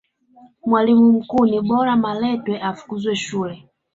mwalimu mkuu ni bora malatwe afukuze shule